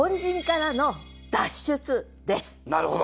なるほど。